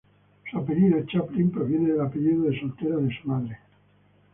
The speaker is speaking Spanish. Su apellido, Chaplin, proviene del apellido de soltera de su madre.